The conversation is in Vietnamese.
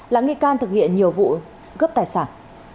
là nghi can thực hiện nhiều vụ cướp tài sản